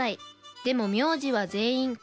でも名字は全員小池。